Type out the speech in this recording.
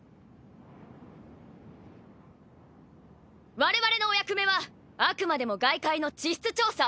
我々のお役目はあくまでも外界の地質調査。